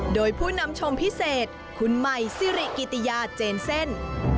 โดยผู้นำชมพิเศษคุณใหม่ซิริกิติยาเจนเซ่น